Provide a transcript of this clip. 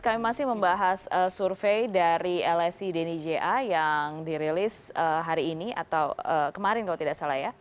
kami masih membahas survei dari lsi deni ja yang dirilis hari ini atau kemarin kalau tidak salah ya